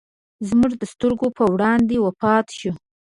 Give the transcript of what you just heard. زموږ د سترګو پر وړاندې وفات شو.